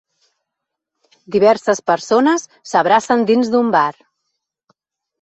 Diverses persones s'abracen dins d'un bar.